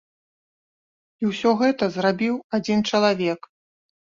І ўсё гэта зрабіў адзін чалавек.